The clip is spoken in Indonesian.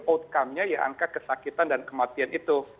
outcome nya ya angka kesakitan dan kematian itu